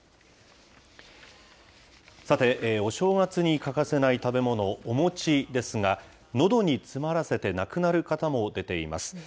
さて、お正月に欠かせない食べ物、お餅ですが、のどに詰まらせて亡くなる方も出ています。